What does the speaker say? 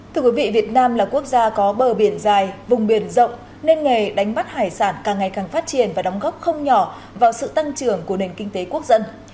thưa quý vị việt nam là quốc gia có bờ biển dài vùng biển rộng nên nghề đánh bắt hải sản càng ngày càng phát triển và đóng góp không nhỏ vào sự tăng trưởng của nền kinh tế quốc dân